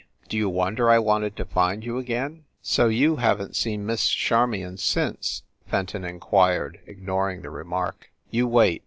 "Do you wonder I wanted to find you again?" "So you haven t seen Miss Charmion since?" Fenton inquired, ignoring the remark. "You wait.